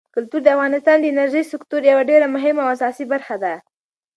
کلتور د افغانستان د انرژۍ د سکتور یوه ډېره مهمه او اساسي برخه ده.